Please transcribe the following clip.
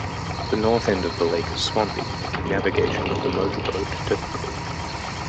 The north end of the lake is swampy, making navigation with a motorboat difficult.